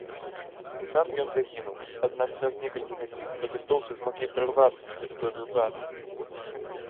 Сам ён загінуў, аднак праз некалькі гадзін пратэстоўцы змаглі прарвацца на тэрыторыю базы.